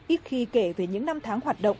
ít khi kể về những năm tháng hoạt động